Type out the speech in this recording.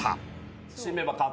新メンバー加藤。